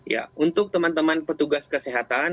ya untuk teman teman petugas kesehatan